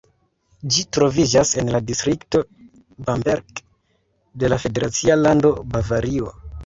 Ĝi troviĝas en la distrikto Bamberg de la federacia lando Bavario.